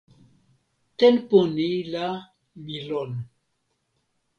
tenpo ni la mi lon.